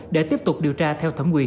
để tiếp tục điều tra theo thẩm quyền